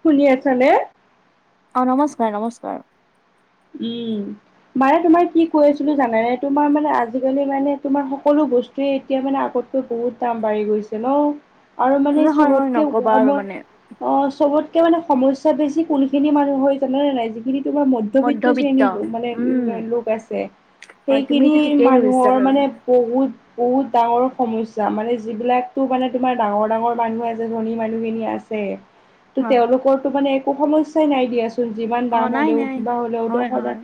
শুনি আছা নে? অঁ নমস্কাৰ নমস্কাৰ। উম' মানে তোমাৰ কি কৈ আছিলো জানেনে? তোমাৰ মানে আজিকালি মানে তোমাৰ সকলো বচ- টোৱে এতিয়া মানে আগতকৈ বহুত দাম বাঢ়ি গৈছে ন। আৰু মানে উম, হয় হয় চবতকে নকবা আৰু মানে অসমত- অঁ চবতকে সমস্যা বেছি কোনখিনি মানুহ জানানে নাই? যিখিনি তোমাৰ মধ্যবিত্ত- ত শ্ৰেণীটো মানে উম লোক আছে হয় সেইখিনি তুমিটো ঠিকেই ধৰিছা মানুহৰ বাৰু মানে- বহুত- বহুত ডাঙৰ সমস্যা। মানে যিবিলাকতো মানে তোমাৰ ডাঙৰ ডাঙৰ মানুহ আছে ধনী মানুহখিনি আছে- তো অ তেওঁলোকৰতো মানে একো সমস্যাই নাই দিয়াচোন, যিমান অ দাম নাই হলেও, নাই কিবা হলেও। হয় হয়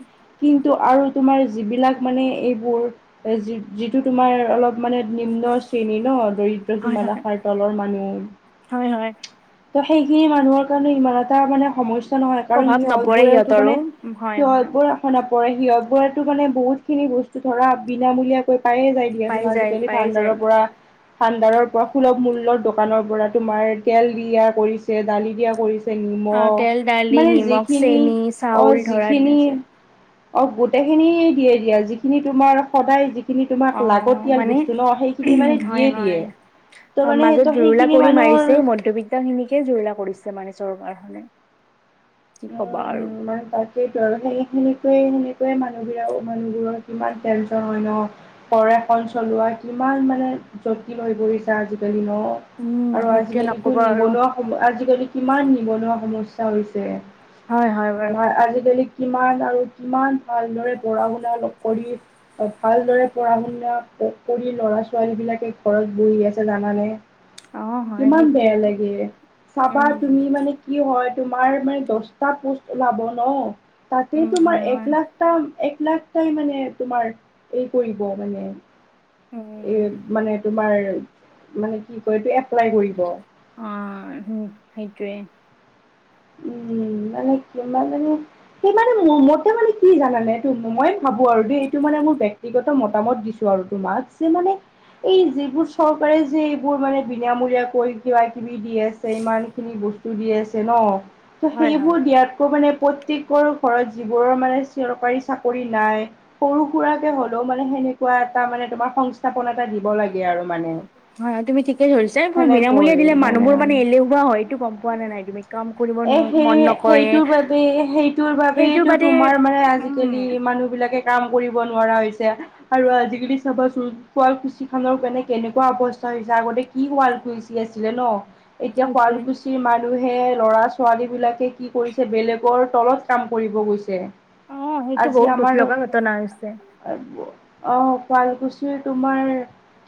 কিন্তু আৰু তোমাৰ যিবিলাক মানে এইবোৰ- এ' যি-যিটো তোমাৰ অলপ মানে নিম্ন শ্ৰেণী ন, দৰিদ- দ সীমা হয় হয় ৰেখাৰ তলৰ হয় হয় মানুহ- ত' সেইখিনি মানুহৰ কাৰণে ইমান এটা মানে সমস্যা নহয়। কাৰণ প্ৰভাৱ নপৰে সিহঁতবোৰেতো সিহঁতৰো মানে- হয় হয় সিহঁতবোৰৰ এশ নপৰে। সিহঁত বোৰতো মানে বহুত খিনি বস্তু ধৰা বিনামূলীয়া- কৈ পায়ে যায় পাই দিয়াচোন যায় আজিকালি পাই যায় ভাণ্দাডাৰৰ পৰা। ভাণ্ডাৰৰ পৰা সুলভ মূল্যৰ দোকানৰ পৰা তোমাৰ তেল দিয়া কৰিছে, দালি দিয়া কৰিছে। অ তেল নিমখ দালি মানে নিমখ যিখিনি চেনি অয চাউল যিখ- ধৰা দিছে অ' গোটেইখিনি দিয়ে দিয়া। যিখিনি তোমাৰ সদায়- যিখিনি তোমাক অ লাগতিয়াল মানে বস্তু ন, সেইখিনি মানে হয় দিয়ে হয় দিয়ে। ত' মানে সেইটো সেইখিনি মানুহৰ- ত সেনেকে জুৰুলা কৰিছে মানে চৰকাৰখনে। কি কবা আৰু উম' মই পা- সেইটো সেইখিনিকৈ মানুহবিলাক মানুহবোৰৰ কিমান টেনশচন হয় ন। ঘৰ এখন চলোৱা কিমান মানে জটিল হৈ পৰিছে আজিকালি ন। উম আৰু সেইটোৱে আজিকালিতো নকবা আৰু নিবনুৱা সম আজিকালি কিমান নিবনুৱা সমস্যা হৈছে? হয়, হয়। বাৰু ময় আজিকালি কিমান আৰু কিমান ভালদৰে পঢ়া শুনা নকৰি- ভালদৰে পঢ়া শুনা কৰি, ল'ৰা ছোৱালী বিলাকে ঘৰত বহি আছে জানানে। অ হয় কিমান বেয়া সেইটোয়েতো লাগে, চাবা উম তুমি মানে কি হয়, তোমাৰ মানে দশটা পোষ্ট ওলাব ন। তাতে উম হয় তোমাৰ এক হয় লাখটা এক লাখটাই মানে তোমাৰ এই কৰিব মানে। এ উম মানে তোমাৰ মানে কি কয় এইটো এপ্লাই কৰিব। অঁ, উম সেইটোৱেই। উম, মানে কিমানজনী সেই মানে, মোৰ মতে মানে কি জানানে, এইটো মই ভাবো আৰু দেই এইটো মানে মোৰ ব্য ক্তিগত মতামত দিছো আৰু, তোমাক যে মানে এই যিবোৰ চৰকাৰে যে, এইবোৰ মানে বিনামূলীয়া কৈ কিবাকিবি দি আছে ইমানখিনি ব দি আছে ন, ত' হয় হয় সেইবোৰ দিয়াতকৈ মানে প্ৰত্যেক কৰ ঘৰত যিবোৰৰ মানে চৰকাৰী চাকৰি নাই। সৰু সুৰাকে হ'লেও মানে সেনেকুৱা এটা মানে তোমাৰ সংস্থাপন এটা দিব লা হয় তুমি ঠিকে ধৰিছে পোৰ বিনামূলীয়া দিলে মানুহবোৰ মানে এলেহুৱা হয়, এইটো গম পোৱা না নাই তুমি? কাম কৰিব এ ন সেই মন নকৰে সেইটোৰ বাবে, সেইটোৰ বাবেই সেইটো বাদে তোমাৰ মানে আ উম আজিকালি মানুহ বিলাকে কাম কৰিব নোৱাৰা হৈছে। আৰু আজিকালি চাবাচোন, শুৱালকুছি খনৰ কেনেকে কেনেকুৱা অৱস্থা হৈছে, আগতে কি শুৱালকুছি আছিলে ন, এতিয়া সেইটোৱে শুৱালকুছিৰ মানুহে ল'ৰা ছোৱালী বিলাকে কি কৰিছে, বেলেগৰ তলত কাম কৰিব গৈছে। অ সেইটো আজি বহুত দুখ আমাৰ লগা ঘটনা হৈছে অঁ, শুৱালকুছিৰ তোমাৰ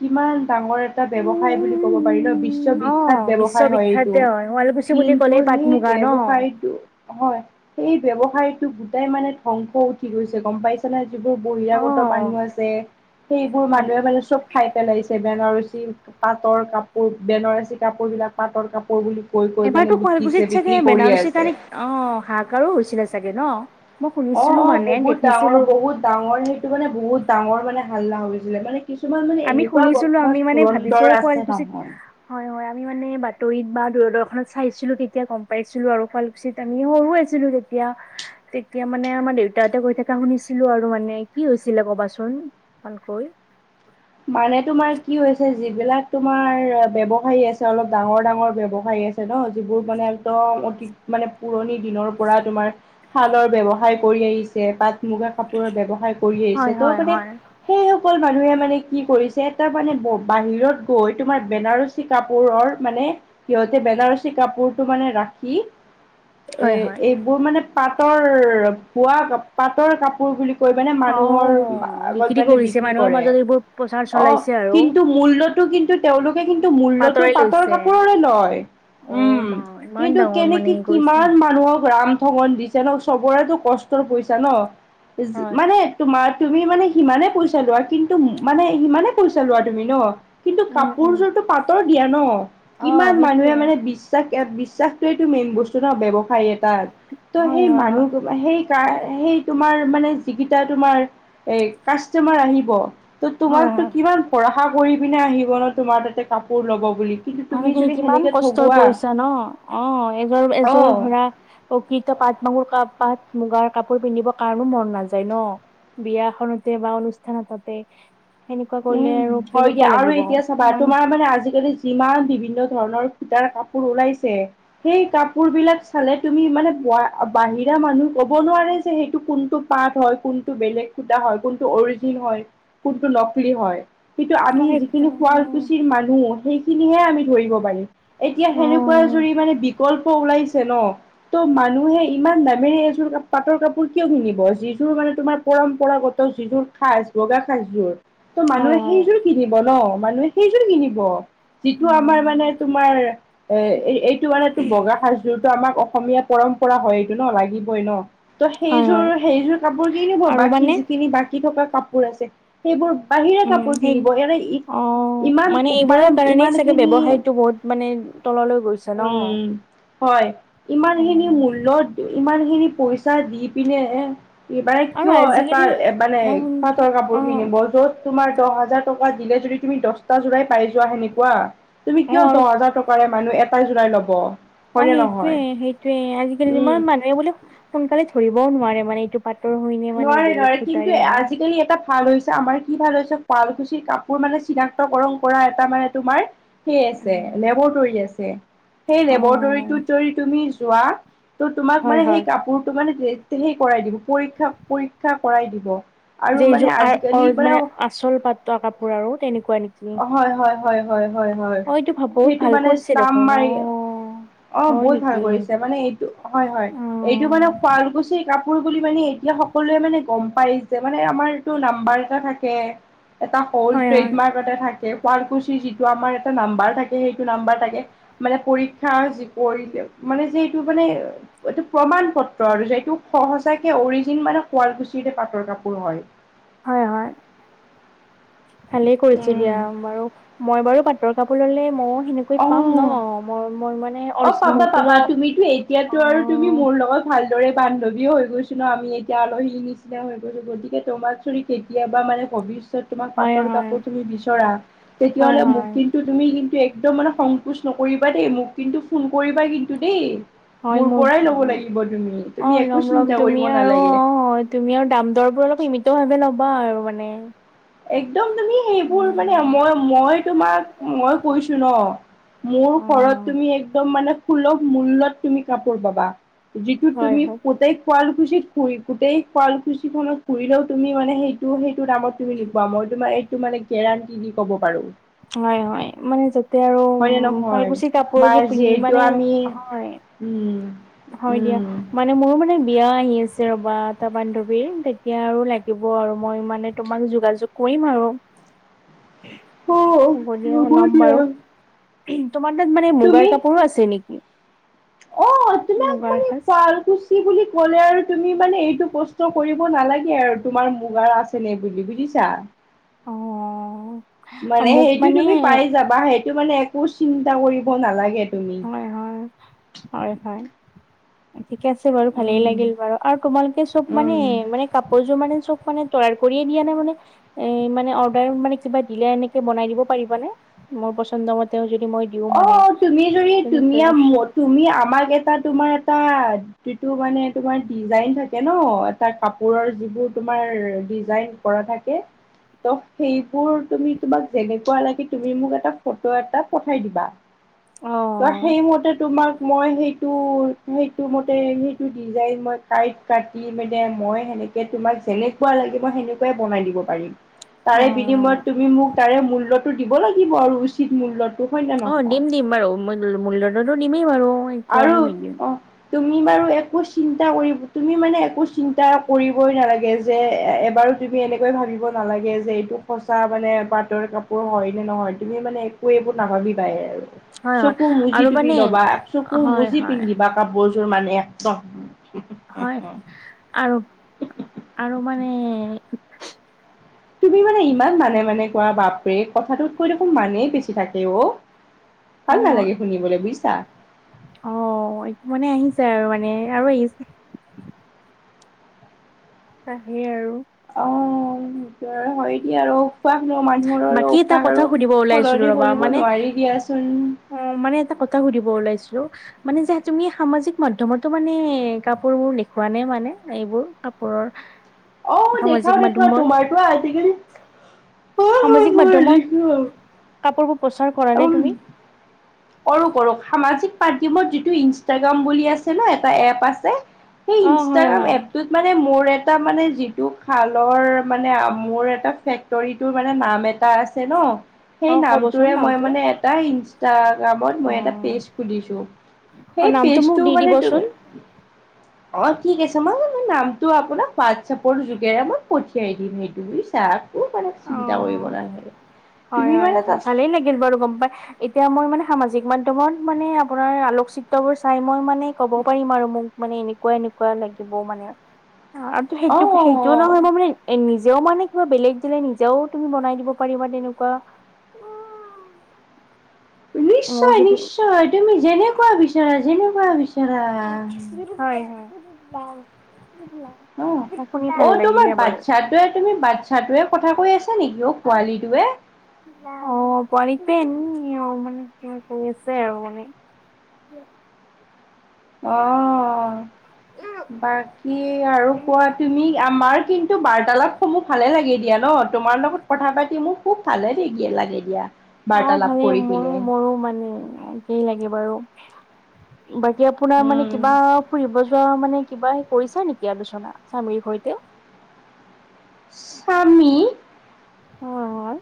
কিমান ডাঙৰ এ টা ব্যৱসায় বুলি ক'ব পাৰি ন, অ বিশ্ববিখ্যাত ব্যৱসায় হয় এইটো। বিশ্ববিখ্যাতে হয় শুৱালকুছি বুলি কিন্তু ক'লেই পাট সেই মুগা ন ব্যৱসায়টো হয়, সেই ব্যৱসায়টো গোটেই মানে ধ্বংস উঠি গৈছে, গম পাইছে। যিবোৰ বহিৰাগত মানুহ আছে, সেইবোৰ অ মানুহে মানে চব খাই পেলাইছে, বেনাৰসী পাটৰ কাপোৰ, বেনাৰসী কাপোৰ বিলাক, পাটৰ কাপোৰ বুলি। কৈ কৈ মানে এবাৰতো বিকিছে শুৱালকুছিত চাগে বিক্ৰী কৰিয়ে বেনাৰসী আছে কাৰণে অঁ হাঁহাকাৰো হৈছিলে চাগে ন। মই অঁ শুনিছিলো অঁ, মানে বহুত ডাঙৰ, দেখিছিলো বহুত ডাঙৰ সেইটো মানে বহুত ডাঙৰ মানে হাল্লা হৈছিলে। মানে কিছুমান মানে, আমি এনেকুৱা শুনিছিলো বদমাছ আমি মানে ভাবিছো ধুৰন্দৰ আছে শুৱালকুছিত নহয়। হয় হয় আমি মানে বাতৰিত বা দূৰদৰ্শনত চাইছিলো তেতিয়া গম পাইছিলো আৰু শুৱাল কুছিত আমি সৰু আছিলো তেতিয়া। তেতিয়া মানে আমাৰ দেউতাহঁতে কৈ থকা শুনিছিলো আৰু মানে কি হৈছিলে ক'বাচোন। [inaudible] মানে তোমাৰ কি হৈছে তোমাৰ ব্যৱসায়ী আছে অলপ ডাঙৰ ডাঙৰ ব্যৱসায়ী আ ছে ন যিবোৰ মানে ধৰা অতি মানে পুৰণি দিনৰ পৰা তোমাৰ শালৰ ব্যৱসায় কৰি আহিছে, তাত মুগা কাপোৰৰ ব্যয়ৱসায় কৰি হয় আহিছে, ত' হয় মানে হয় সেইসকল মানুহে মানে কি কৰিছে এটা মানে বাহিৰত গৈ তোমাৰ বেনাৰসী কাপোৰৰ মানে সিহঁতে বেনাৰসী কাপোৰটো মানে ৰাখি এ হয় হয় এইবোৰ মানে পাটৰ পুৱা পাটৰ কাপোৰ বুলি কই মানে অ মানুহৰ আগত বিক্ৰী মানে কৰিছে বিক্ৰী কৰে। [inaudible] অ, আৰু কিন্তু মূল্যতটো কিন্তু তেওঁলোকে কিন্তু মূল্যটো পাতৰাই পাটৰ লৈছে কাপোৰৰে লয়। অ' উম, মা ইমান কিন্তু ডাঙৰ মানে কেনেকে কৰিছে কিমান মানুহক ৰামঠগন দি ছে চবৰেতটো কষ্টৰ পইচা ন, যি হয়। মানে তোমাৰ তুমি মানে সিমানে পইচা লোৱা কিন্তু মানে সিমানে পইচা লোৱা তুমি ন, কিন্তু উম, উম, কাপোৰযোৰতো পাতৰ দিয়া ন, অ' কিমান মানুহে সেইটোয়ে মানে বি বিশ্বাস, বিশ্বাসটোৱেটো মেইন বস্তু ন ব্যৱসায় এটা ত' হয়, সেই হয়, হয়, মানুহ সেই, সেই তোমাৰ মানে যিকিটা তোমাৰ এ কাষ্টমাৰ আহিব। ত' তোমাক হয়, তো হয়। কিমান ভৰষা কৰি পিনে আহিব ন তোমাৰ তাতে কাপোৰ ল'ব বুলি। কিন্তু মান তুমি কি যদি কিমান সেনেকে কষ্টৰ ঠগোৱা পৰিছা ন অ' এয এযোৰ অ ধৰা প্ৰকৃত পাট মাহুৰ ক পাট মুগাৰ কাপোৰ পিন্ধিব কাৰণো মন নাযায় ন। বিয়াখনতে বা অনুষ্ঠানততে। উম, হয় দিয়া আৰু এতিয়া চাবা ইমান তোমাৰ মানে আজিকালি যিমান বিভিন্ন ধৰণৰ সুটাৰ কাপোৰ ওলাইছে। সেই কাপোৰ বিলাক চালে তুমি মানে বাহিৰা মানুহ কব নোৱাৰে যে সেইটো কোনটো পাঠ হয় কোনটো কুটা কোনটো অৰিজিন হয় কোনটো ন কলি হয় কিন্তু আমি অ' যিখিনি শুৱালকুছিৰ মানুহ সেইখিনিহে আমি ধৰিব পাৰিম। এতিয়া সেনেকুৱা জুৰি মানে বিকল্প ওলাইছে ন। ত' মানুহে ইমান দামেৰে এইযোৰ পাটৰ কাপোৰ কিয় কিনিব যিযোৰ মানে তোমাৰ পৰম্পৰাগত যিযোৰ সাজ বগা সাজযোৰ। ত হয়, হয়, সেইযোৰ কিনিব ন মানুহে সেইযোৰ কিনিব। যিটো আমাৰ মানে উম, তোমাৰ এ এইটো মানে বগা সাজযোৰ আমাক অসমীয়া পৰম্পৰা হয় এইটো ন লাগিবই ন। ত' হয়, হয় সেইযোৰ সেইযোৰ কাপোৰ কিনিব আৰু বাকী মানে যিখিনি বাকী থকা কাপোৰ আছে। সেইবোৰ বাহিৰা উম, কাপোৰ সেই কিনিব এনে ইমান অ' মানে এইবোৰৰ কাৰনেই ইমান চাগে খিনি ব্যৱসায়টো বহুত মানে তললৈ গৈছে ন। উম হয় ইমানখিনি উম মূল্য়ত ইমান খিনি পইচা দি পিনে ই মানে আৰু কিয় এটা আজিকালি মানে মই শুনিছো পাটৰ কাপোৰ অ কিনিব য'ত তোমাৰ দহ হাজাৰ টকা দিলে যদি তুমি দহ জোৰাই পাই যোৱা সেনেকুৱা। তুমি অ কিয় আৰু দহ হাজাৰ টকাৰে মানুহ এটাই জোৰাই ল'ব। অ' হয়নে সেইটোয়ে, নহয় সেইটোয়ে আজিকালি উম ইমান মানুহে বোলে সোনকালে ধৰিবও নোৱাৰে মানে এইটো পাটৰ হয় ন। নোৱাৰে, নোৱাৰে কিন্তু আজিকালি এটা ভাল হৈছে আমাৰ কি ভাল হৈছে শুৱালকুছিৰ কাপোৰ মানে চিনাক্তকৰণ কৰা এটা মানে তোমাৰ সেই আছে উম লেবৰটৰী আছে সেই অ লেবৰটৰীটোত যদি তুমি যোৱা। ত তোমাক হয় মানে হয় সেই কাপোৰটো মানে সেই কৰাই দিব পৰীক্ষা, পৰীক্ষা কৰাই দিব। আৰু যে মানে এইযোৰ আজিকালি অ' মানে আচল পাতৰ কাপোৰ আৰু তেনেকুৱা নেকি? অ' হয়, হয়, হয়, হয়, হয়, হয়, অ এইটো ভাব বহুত সেইটো ভাল মানে কৰিছে ষ্টাম্প দেখোন অ মাৰি অ' হয় বহুত ভাল নেকি কৰিছে অ মানে, এইটো হয়, হয় এইটো মানে শুৱালকুচি কাপোৰ বুলি মানে এতিয়া সকলোৱে মানে গম পায় যে মানে আমাৰ এইটো নম্বৰ এটা থাকে। এটা হ'ল হয় হয় ট্ৰেডমাৰ্ক এটা থাকে, ফুলকুচি যিটো আমাৰ এটা নম্বৰ থাকে, সেইটো নম্বৰ থাকে। মানে পৰীক্ষা যি কৰিলে মানে যে এইটো মানে এটা প্ৰমাণ ক্ষেত্ৰ আৰু যে এইটো সহজকে যে অৰিজিন মানে ফুলকুচিটো হয় পাতৰ কাপোৰ হয়। হয়, হয় ভালেই কৰিছোঁ উম দিয়া বাৰু, মই বাৰু পাতৰ কাপোৰ ল'লে মইও হেনেকুৱাই পাম ন অ মই, মই মানে অ' অৰিজিন পাবা, মোৰতো পাবা লওঁ তুমিতো অ এতিয়াতো আৰু তুমি মোৰ লগত ভালদৰে বান্ধৱী হৈ গৈছো ন আমি এতিয়া আলহী নিচিনা হৈ গৈছো গতিকে তোমাক যদি কেতিয়াবা মানে ভৱিষ্যত তোমাক হয় পাতৰ হয় কাপোৰ তুমি বিচৰা হয় তেতিয়াহ'লে তুমি হয় মোক তুমি কিন্তু একদম মানে খংকুস নকৰিবা দে, মোক কিন্তু ফোন কৰিবা কিন্তু দেই। মোৰ পৰা এই ল'ব লাগিব তুমি, অ তুমি একো ল'ম ল'ম চিন্তা তুমি কৰিব আৰু নালাগে। অ তুমি আৰু দাম-দৰবোৰ অলপ লিমিটত ভাবে ল'বা আৰু মানে। একদম তুমি সেইবোৰ মানে উম মই মই তোমাক মই কৈছোঁ ন'। মোৰ অ ঘৰত তুমি একদম মানে সুলভ মূল্যত তুমি কাপোৰ পাবা। যিটো হয় তুমি হয় গোটেই শুৱালকুছিত ফুৰি গোটেই শুৱালকুছিখনত ঘুৰিলেও তুমি মানে সেইটো সেইটো দামত তুমি নোপোৱা, মই তোমাক এইটো মানে গেৰাণ্টি দি ক'ব পাৰোঁ। হয় হয় মানে যেতিয়া আৰু হয় নে উম্ নহয় শুৱালকুছি কাপোৰ মাৰ এযোৰ পিন্ধি যিহেতু মানে আমি হয়। উম। হয় দিয়া। উম মানে মোৰো মানে বিয়া আহি আছে ৰ'বা, এটা বান্ধৱীৰ তেতিয়া আৰু লাগিব আৰু মই মানে তোমাক যোগা যোগ কৰিম আৰু। অ হ'ব দিয়া, ল'ম বাৰু। তোমাৰ তাত মানে মুগাৰ কাপোৰো আছে নেকি? অঁ, তোমাক মুগাৰ মানে সাজ শুৱালকুছ কি বুলি ক'লে আৰু তুমি মানে এইটো প্ৰশ্ন কৰিব নালাগে আৰু তোমাৰ মুগাৰ আছে নে বুলি, বুজিছা! অ' মানে মোক সেইটো মানে তুমি পাই যাবা, সেইটো মানে একো চিন্তা কৰিব নালাগে তুমি। এ হয় হয় হয়, ঠিকে আছে বাৰু, ভালেই উম, লাগিল বাৰু। আৰু তোমালোকে সব মানে উম। মানে কাপোৰ যোৰ মানে সব মানে তৈয়াৰ কৰিয়ে দিয়া নে মানে এ মানে অৰ্ডাৰ মানে কিবা দিলে এনেকে বনাই দিব পাৰিবা নে? মোৰ পছন্দ মতে যদি মই দিওঁ মানে অঁ তুমি যদি তুমি তেনেকৈ আ মই তুমি আমাক এটা তোমাৰ এটা যিটো মানে তোমাৰ ডিজাইন থাকে ন, এটা কাপোৰৰ যিবোৰ তোমাৰ ডিজাইন কৰা থাকে। ত সেইবোৰ তুমি তোমাক যেনেকুৱা লাগে তুমি মোক এটা ফটো এটা পঠ ঠাই দিবা। অঁ। তা সেই মতে তোমাক মই সেইটো সেইটো মতে সেইটো ডিজাইন মই টাইপ কাটি মানে মই সেনেকে তোমাক যেনেকুৱা লাগে মই সেনেকুৱাই বনাই দিব পাৰিম। তাৰে বিনিময়ত অ', তুমি মোক তাৰে মূল্যটো দিব লাগিব আৰু উচিত মূল্য। অঁ দিম দিম বাৰু, মূল মূল্যটোতো দিমেই বাৰু। আৰু কিয়নো নিদিম অঁহ। তুমি বাৰু একো চিন্তা কৰিব তুমি মানে একো চিন্তা কৰিবই নালাগে যে এবাৰ তুমি এনেকৈ ভাবিব নালাগে যে এইটো সঁচা মানে পাতৰ কাপোৰ হয় নে নহয়, তুমি মানে এক একো নাভাবিবাই আৰু, হয় হয় চকু মুদি আৰু তুমি মানে ল'বা। চকু হয় মুজি হয় পিন্ধিবা কাপোৰযোৰ মানে একদম। হয় আৰু আৰু মানে তুমি মানে ইমান মানে মানে কোৱা বাপৰে! কথাটোত কৈ দেখোন মানেই বেছি থাকে ঔ। ভাল নালাগে শুনিবলে বুইছা! অঁ মানে আহি যায় আৰু মানে আৰু আহি তাহে আৰু। অঁ হয় দিয়া আৰু কোৱা ন মানুহৰৰ বাকী এটা অভ্যাস কথা আৰু সুধিব ওলাইছিলো সলনি কৰিব নোৱাৰি দিয়াচোন। অঁ মানে এটা কথা সুধিব ওলাইছিলো মানে যে তুমি সামাজিক মাধ্যমতো মানে কাপোৰবোৰ দেখুওৱা নে মানে এইবোৰ কাপোৰৰ [inaudible] অঁ সামাজিক দেখাও দেখাও মাধ্যমত তোমাৰটো আজিকালি হয় হয় সামাজিক হয় মাধ্যমত দেখাও। কাপোৰবোৰ প্ৰচাৰ কৰা নে উম, তুমি? কৰো কৰো সামাজিক মাধ্যমত যিটো ইনষ্টাগ্ৰাম বুলি আছে ন এটা এপ আছে। সেই অ', হয় ইনষ্টাগ্ৰাম হয় এপটোত মানে মোৰ এ টা মানে যিটো খালৰ মানে মোৰ এটা ফেক্টৰীটোৰ মানে নাম এটা এটা আছে ন অ সেই ক'বচোন নামটোৰে মই নামটো মানে এটা ইনষ্টাক ত অ মই এটা পেজ খুলিছো, অ সেই নামটো মোক পেজটো দি মানে তুমি দিবচোন [inaudible] অ ঠিক আছে মই জান নামটো আপোনাক হোৱাটছএপৰ যোগেৰে মই পঠিয়াই দিম সেইটো বুজিছা। মানে অ চিন্তা কৰিব নালাগে হয় তুমি হয় মানে হয় যাচ ভালেই বাৰু গম পাই, এতিয়া মই মানে সামাজিক মাধ্যমত মানে আপোনাৰ আলোকচিত্ৰ বোৰ চাই মই মানে ক'ব পাৰিম আৰু মোক মানে এনেকুৱা এনেকুৱা লাগিব মানে। আৰু অ সেইটো সেইটোও নহয় মই মানে এ নিজেও মানে কিবা বেলেগ দিলে নিজেও তুমি বনাই দিব পাৰিবা তেনেকুৱা মোৰ নিশ্চয় যদি নিশ্চয় তুমি যেনেকুৱা বিচাৰা যেনেকুৱা বিচাৰা। হয় হয় [unintelligible] অ শুনি ভাল অ লাগিলে তোমাৰ বাৰু বাচ্ছাটোৱে তুমি বাচ্ছ য়ে কথা কৈ আছা নেকি অ পোৱালিটোৱে। অ পোৱালিক পেনি অ মানে কি কৈ আছে আৰু মানে। [unintelligible] অ বাকী আৰু কোৱা তুমি আমাৰ কিন্তু বাৰ্তালাপ সমূহ ভালে লাগে দিয়া ন, তোমাৰ লগত কথা পাতি মোক খুব [unintelligible] লাগে দিয়া। অ বাৰ্তালাপ ভালেই কৰি মোৰো পিনে মোৰো মানে একেই লাগে বাৰু, বাকী আপোনাৰ মানে উম কিবা ফুৰিব যোৱা মানে কিবা কৰিছা নেকি আলোচনা স্বামীৰ সৈতে? স্বামী? অ অ।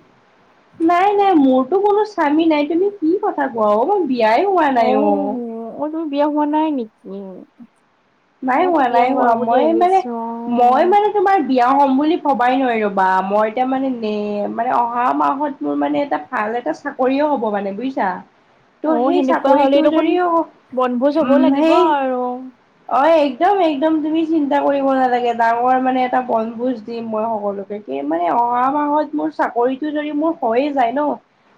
নাই নাই মোৰতো কোনো স্বামী নাই তুমি কি কথা কোৱা অ, বিয়াই নাই অ। অ তুমি বিয়া হোৱা নাই নেকি? নাই মইতো হোৱা, বিয়া নাই হোৱা। বুলি মই মানে, ভাবিছো অ মই মানে তোমাৰ বিয়া হ'ম বুলি ভবাই নোৱাৰ বা মই এতিয়া মানে নে মানে অহা মাহত মোৰ মানে এটা ভাল এটা চাকৰিও হ'ব মানে বুজিছা? অ ত' সেই সেনেকুৱা হলে চাকৰিটো দেখোন যদিও বনভোজ হব উম লাগিব সেই আৰু অ একদম একদম, তুমি চিন্তা কৰিব নালাগে ডাঙৰ মানে এটা বনভোজ দিম মই সকলোকে। এই মানে অহা মাহত মোৰ চাকৰিটো যদি মোৰ হৈয়ে যায় ন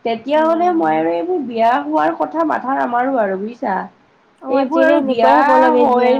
তেতিয়াহ'লে মই উম আৰু এইবোৰ বিয়া হোৱাৰ কথা মাথা নামাৰো আৰু বুজিছা? এইবোৰ আৰু বিয়া হৈ য়া